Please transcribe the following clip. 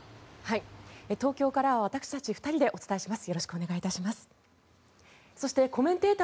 東京からは私たち２人でお伝えします。